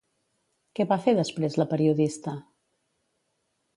Què va fer després la periodista?